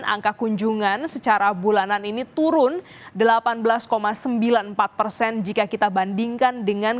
angka kunjungan secara bulanan ini turun delapan belas sembilan puluh empat persen jika kita bandingkan dengan